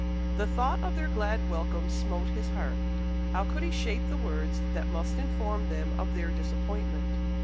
The thought of their glad welcome smote his heart. How could he shape the words that must inform them of their disappointment?